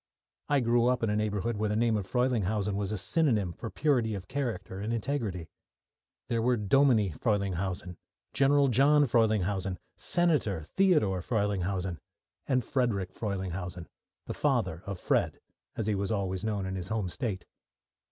I grew up in a neighbourhood where the name of Frelinghuysen was a synonym for purity of character and integrity. There were Dominie Frelinghuysen, General John Frelinghuysen, Senator Theodore Frelinghuysen and Frederick Frelinghuysen, the father of "Fred," as he was always called in his home state.